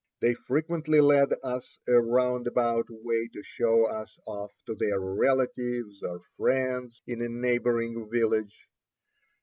They frequently led us a roundabout way to show us off to their relatives or friends in a neighboring village.